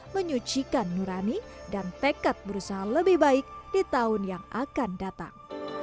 menyucikan nurani dan tekad berusaha lebih baik di tahun yang akan datang